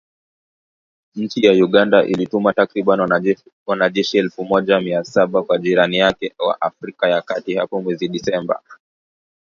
Nchi ya Uganda ilituma takribani wanajeshi elfu moja mia saba kwa jirani yake wa Afrika ya kati hapo mwezi Disemba .